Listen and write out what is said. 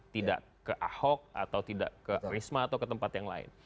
tidak ke ahok atau tidak ke risma atau ke tempat yang lain